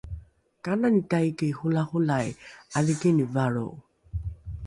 kanani taiki holaholai ’adhingini valro?